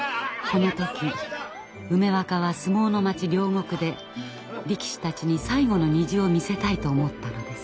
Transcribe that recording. この時梅若は相撲の町両国で力士たちに最後の虹を見せたいと思ったのです。